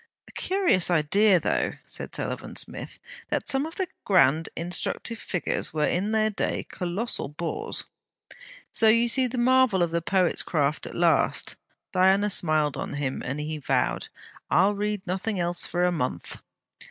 'A curious idea, though,' said Sullivan Smith, 'that some of the grand instructive figures were in their day colossal bores!' 'So you see the marvel of the poet's craft at last?' Diana smiled on him, and he vowed: 'I'll read nothing else for a month!'